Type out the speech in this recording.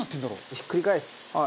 ひっくり返す。